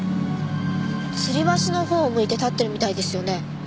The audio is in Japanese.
つり橋のほうを向いて立ってるみたいですよね。